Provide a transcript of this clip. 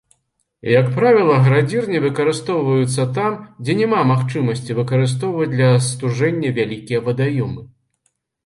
Як правіла, градзірні выкарыстоўваюць там, дзе няма магчымасці выкарыстоўваць для астуджэння вялікія вадаёмы.